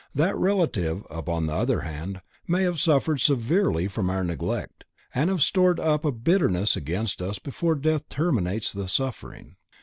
That relative upon the other hand may have suffered severely from our neglect, and have stored up a bitterness against us before death terminates the suffering.